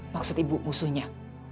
maksud ibu musuhnya